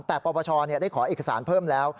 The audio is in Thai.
แต่ปปชได้ขอเอกสารเพิ่มแล้ว